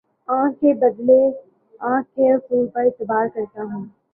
آنکھ کے بدلے آنکھ کے اصول پر اعتبار کرتا ہوں